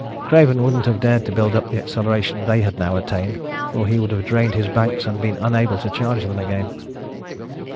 Craven wouldn't have dared to build up the acceleration they had now attained, for he would have drained his banks and been unable to charge them again.